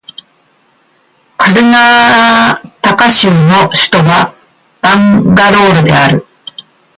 カルナータカ州の州都はバンガロールである